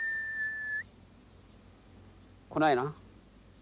来ないな。